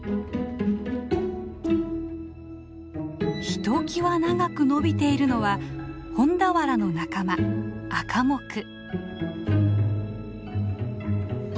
ひときわ長く伸びているのはホンダワラの仲間アカモク。